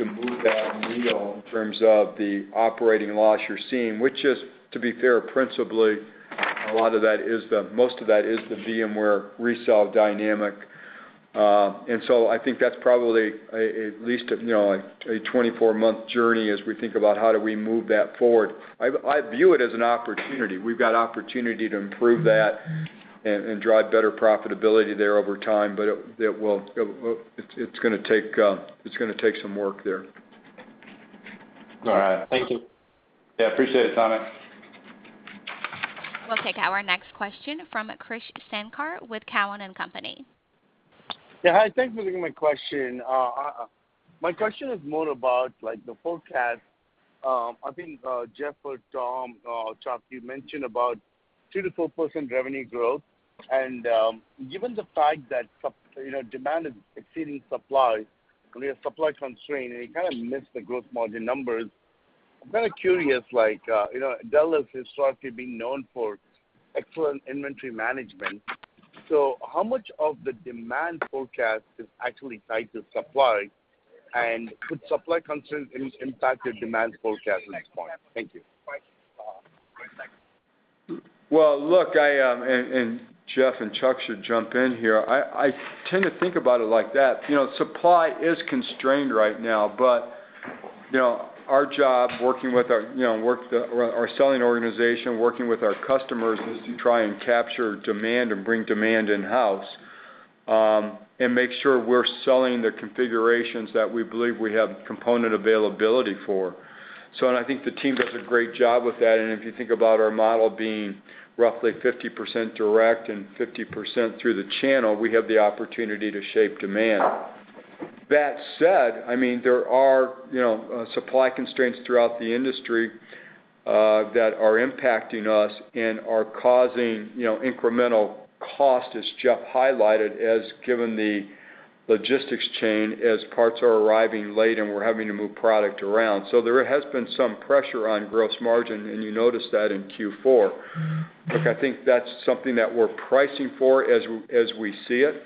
move that needle in terms of the operating loss you're seeing, which is, to be fair, principally, a lot of that is the, most of that is the VMware resell dynamic. I think that's probably a at least, you know, a 24-month journey as we think about how do we move that forward. I view it as an opportunity. We've got opportunity to improve that and drive better profitability there over time, but it will. It's gonna take some work there. All right. Thank you. Yeah, I appreciate the time. We'll take our next question from Krish Sankar with Cowen and Company. Yeah. Hi. Thanks for taking my question. My question is more about, like, the forecast. I think Jeff or Tom or Chuck, you mentioned about 2%-4% revenue growth. Given the fact that demand is exceeding supply, clear supply constraint, and you kind of missed the growth margin numbers. I'm kind of curious, like, Dell has historically been known for excellent inventory management. So how much of the demand forecast is actually tied to supply? And could supply constraints impact your demand forecast at this point? Thank you. Well, look, Jeff and Chuck should jump in here. I tend to think about it like that. You know, supply is constrained right now, but you know, our job working with our selling organization, working with our customers is to try and capture demand and bring demand in-house, and make sure we're selling the configurations that we believe we have component availability for. I think the team does a great job with that. If you think about our model being roughly 50% direct and 50% through the channel, we have the opportunity to shape demand. That said, I mean, there are, you know, supply constraints throughout the industry, that are impacting us and are causing, you know, incremental cost, as Jeff highlighted, as given the logistics chain, as parts are arriving late and we're having to move product around. There has been some pressure on gross margin, and you noticed that in Q4. Look, I think that's something that we're pricing for as we see it.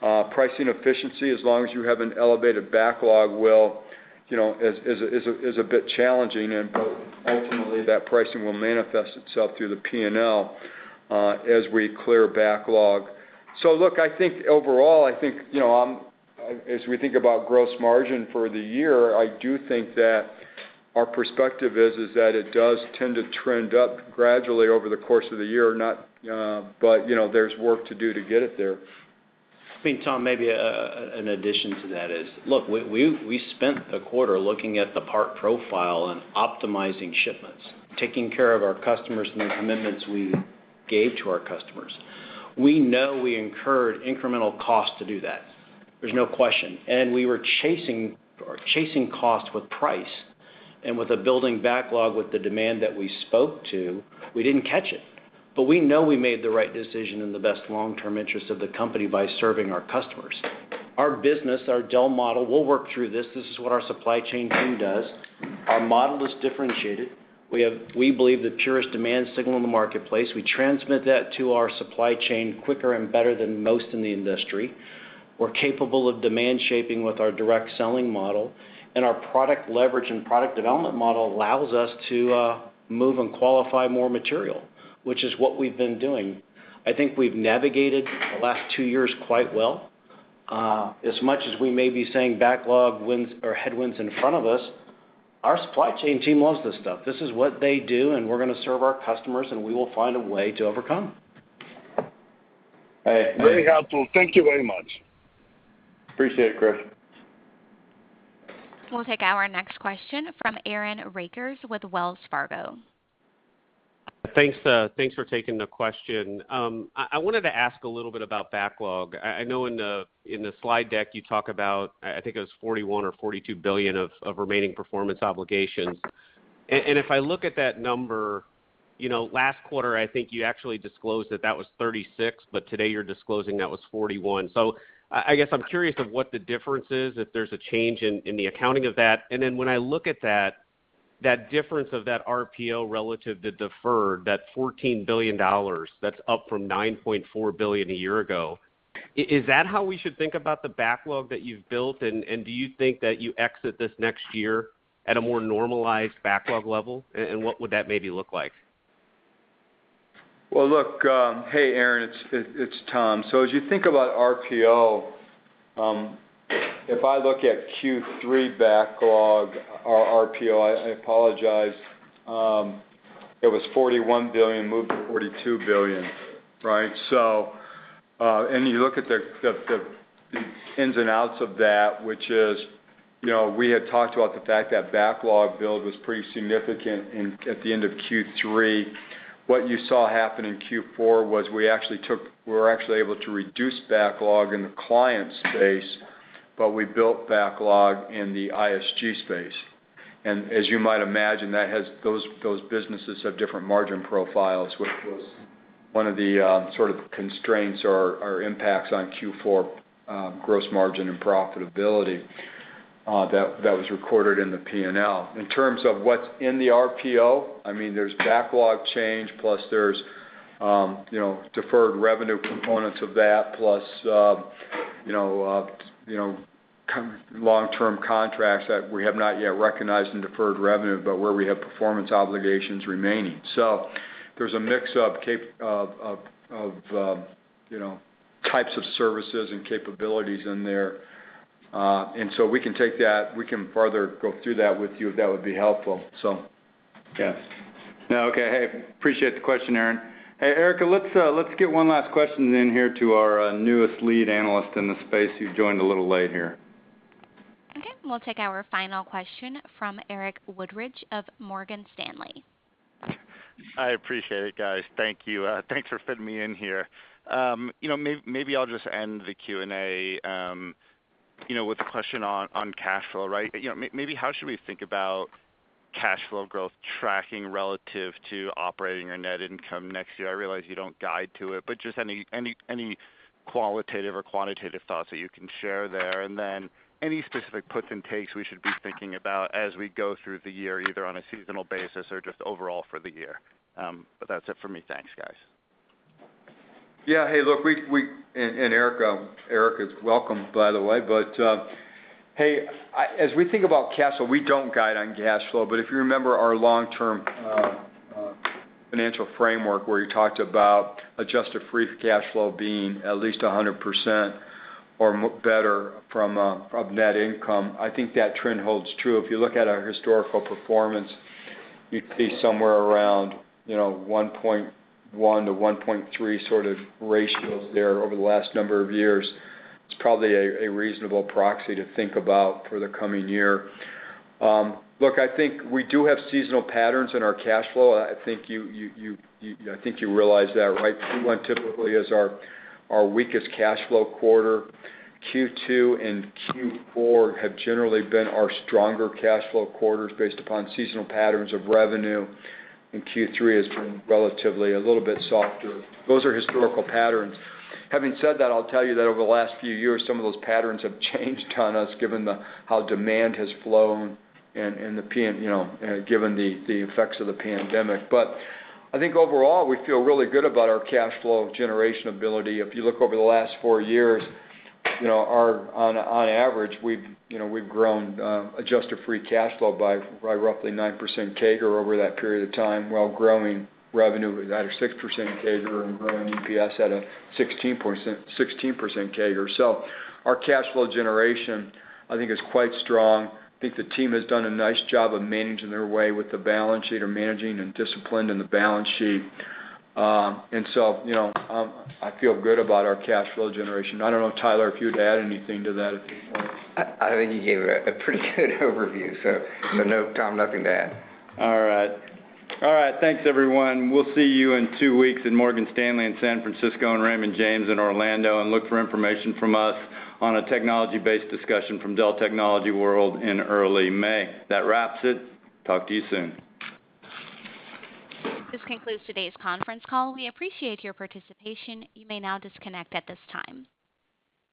Pricing efficiency, as long as you have an elevated backlog will, you know, is a bit challenging and ultimately that pricing will manifest itself through the P&L, as we clear backlog. Look, I think overall, you know, as we think about gross margin for the year, I do think that our perspective is that it does tend to trend up gradually over the course of the year, but you know, there's work to do to get it there. I mean, Tom, maybe an addition to that is, look, we've spent the quarter looking at the part profile and optimizing shipments, taking care of our customers and the commitments we gave to our customers. We know we incurred incremental costs to do that. There's no question. We were chasing costs with price. With a building backlog with the demand that we spoke to, we didn't catch it. We know we made the right decision in the best long-term interest of the company by serving our customers. Our business, our Dell model, we'll work through this. This is what our supply chain team does. Our model is differentiated. We have, we believe, the purest demand signal in the marketplace. We transmit that to our supply chain quicker and better than most in the industry. We're capable of demand shaping with our direct selling model, and our product leverage and product development model allows us to move and qualify more material, which is what we've been doing. I think we've navigated the last two years quite well. As much as we may be saying backlog tailwinds or headwinds in front of us, our supply chain team loves this stuff. This is what they do, and we're going to serve our customers, and we will find a way to overcome. Hey- Very helpful. Thank you very much. appreciate it, Krish. We'll take our next question from Aaron Rakers with Wells Fargo. Thanks, thanks for taking the question. I wanted to ask a little bit about backlog. I know in the slide deck you talk about, I think it was $41 billion or $42 billion of remaining performance obligations. And if I look at that number, you know, last quarter, I think you actually disclosed that that was $36 billion, but today you're disclosing that was $41 billion. I guess I'm curious of what the difference is, if there's a change in the accounting of that. And then when I look at that difference of that RPO relative to deferred, that $14 billion that's up from $9.4 billion a year ago, is that how we should think about the backlog that you've built? Do you think that you exit this next year at a more normalized backlog level? What would that maybe look like? Well, look, hey, Aaron, it's Tom. As you think about RPO, if I look at Q3 backlog, our RPO, I apologize, it was $41 billion, moved to $42 billion, right? You look at the ins and outs of that, which is, you know, we had talked about the fact that backlog build was pretty significant at the end of Q3. What you saw happen in Q4 was we were actually able to reduce backlog in the client space, but we built backlog in the ISG space. As you might imagine, that has those businesses have different margin profiles, which was one of the sort of constraints or impacts on Q4 gross margin and profitability, that was recorded in the P&L. In terms of what's in the RPO, I mean, there's backlog change, plus there's deferred revenue components of that, plus long-term contracts that we have not yet recognized in deferred revenue, but where we have performance obligations remaining. There's a mix of types of services and capabilities in there. We can take that. We can further go through that with you if that would be helpful. Yeah. Now, okay. Hey, appreciate the question, Aaron. Hey, Erica, let's get one last question in here to our newest lead analyst in the space who joined a little late here. Okay. We'll take our final question from Erik Woodring of Morgan Stanley. I appreciate it, guys. Thank you. Thanks for fitting me in here. You know, maybe I'll just end the Q&A, you know, with a question on cash flow, right? You know, maybe how should we think about cash flow growth tracking relative to operating or net income next year? I realize you don't guide to it, but just any qualitative or quantitative thoughts that you can share there. Any specific puts and takes we should be thinking about as we go through the year, either on a seasonal basis or just overall for the year. That's it for me. Thanks, guys. Yeah. Hey, look, Erik is welcome, by the way. Hey, as we think about cash flow, we don't guide on cash flow, but if you remember our long-term financial framework where you talked about adjusted free cash flow being at least 100% or better from net income, I think that trend holds true. If you look at our historical performance, you'd be somewhere around, you know, 1.1-1.3 sort of ratios there over the last number of years. It's probably a reasonable proxy to think about for the coming year. Look, I think we do have seasonal patterns in our cash flow. I think you realize that, right? Q1 typically is our weakest cash flow quarter. Q2 and Q4 have generally been our stronger cash flow quarters based upon seasonal patterns of revenue, and Q3 has been relatively a little bit softer. Those are historical patterns. Having said that, I'll tell you that over the last few years, some of those patterns have changed on us given how demand has flowed and the effects of the pandemic. I think overall, we feel really good about our cash flow generation ability. If you look over the last four years, you know, on average, we've grown adjusted free cash flow by roughly 9% CAGR over that period of time while growing revenue at a 6% CAGR and growing EPS at a 16% CAGR. Our cash flow generation, I think, is quite strong. I think the team has done a nice job of managing, and disciplined in the balance sheet. You know, I feel good about our cash flow generation. I don't know, Tyler, if you'd add anything to that at this point. I think you gave a pretty good overview, so no, Tom, nothing to add. All right. Thanks, everyone. We'll see you in two weeks in Morgan Stanley in San Francisco and Raymond James in Orlando, and look for information from us on a technology-based discussion from Dell Technologies World in early May. That wraps it. Talk to you soon. This concludes today's conference call. We appreciate your participation. You may now disconnect at this time.